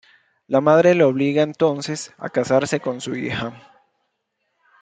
La madre le obliga entonces a casarse con su hija.